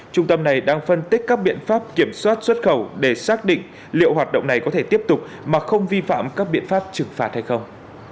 trung tâm này đang phân tích các biện pháp kiểm soát xuất khẩu để xác định liệu hoạt động này có thể tiếp tục mà không vi phạm các biện pháp trừng phạt hay không